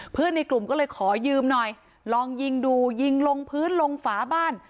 ในกลุ่มก็เลยขอยืมหน่อยลองยิงดูยิงลงพื้นลงฝาบ้าน